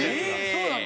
そうなの？